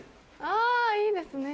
あぁいいですね。